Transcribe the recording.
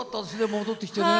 戻ってきてね。